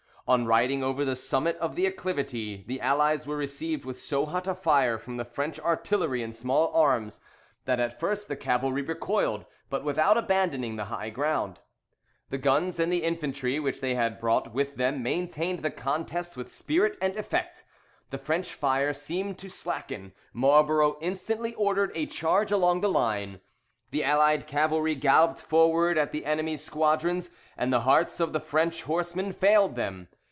On riding over the summit of the acclivity, the Allies were received with so hot a fire from the French artillery and small arms, that at first the cavalry recoiled, but without abandoning the high ground. The guns and the infantry which they had brought with them, maintained the contest with spirit and effect. The French fire seemed to slacken Marlborough instantly ordered a charge along the line. The allied cavalry galloped forward at the enemy's squadrons, and the hearts of the French horseman failed them.